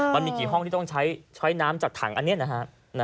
มันมีกี่ห้องที่ต้องใช้น้ำจากถังอันนี้นะฮะ